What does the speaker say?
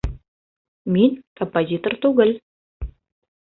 Мин композитор түгел.